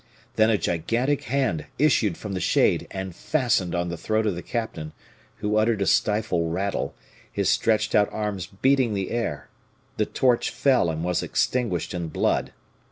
Then a gigantic hand issued from the shade, and fastened on the throat of the captain, who uttered a stifle rattle; his stretched out arms beating the air, the torch fell and was extinguished in blood.